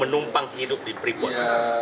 menumpang hidup di freeport